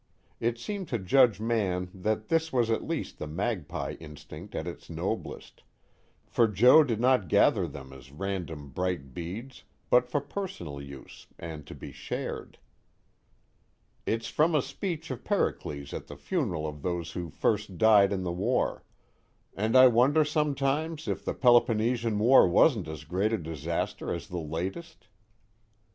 It seemed to Judge Mann that this was at least the magpie instinct at its noblest, for Joe did not gather them as random bright beads, but for personal use and to be shared. "It's from a speech of Pericles at the funeral of those who first died in the war and I wonder sometimes if the Peloponnesian War wasn't as great a disaster as the latest?